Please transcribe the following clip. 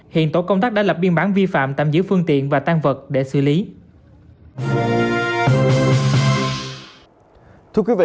hiện tổ công tác đã lập biên bản vi phạm tạm giữ phương tiện và tan vật để xử lý